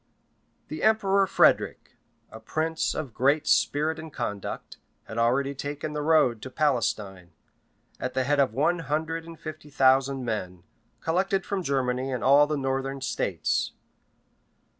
The emperor Frederic, a prince of great spirit and conduct, had already taken the road to Palestine, at the head of one hundred and fifty thousand men, collected from Germany and all the northern states.